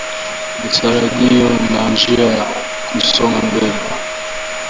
Matarajio na Njia ya Kusonga mbele